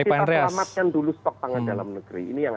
kita selamatkan dulu stok pangan dalam negeri